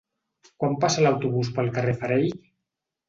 Quan passa l'autobús pel carrer Farell?